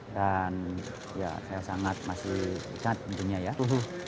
dan saya sangat masih ingat